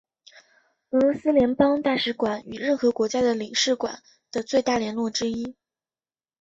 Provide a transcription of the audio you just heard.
俄罗斯联邦大使馆与任何国家的领事馆的最大的联络之一。